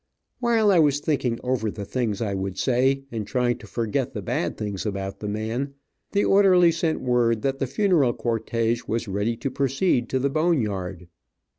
While I was thinking over the things I would say, and trying to forget the bad things about the man, the orderly sent word that the funeral cortege was ready to proceed to the bone yard.